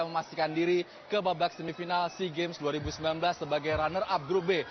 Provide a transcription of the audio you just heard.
memastikan diri ke babak semifinal sea games dua ribu sembilan belas sebagai runner up grup b